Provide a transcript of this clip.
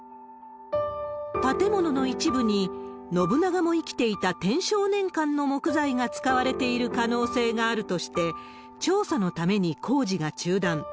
建物の一部に、信長も生きていた天正年間の木材が使われている可能性があるとして、調査のために工事が中断。